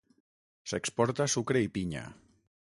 S'exporta sucre i pinya.